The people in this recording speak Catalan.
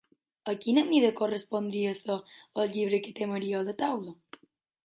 A quina mida correspondria ser el llibre que té Maria a la taula?